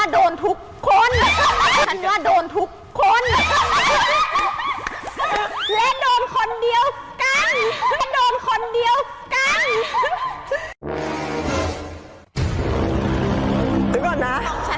เดี๋ยวก่อนนะ